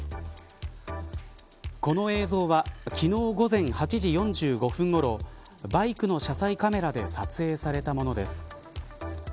この映像は昨日午前８時４５分ごろバイクの車載カメラで撮影されたものです。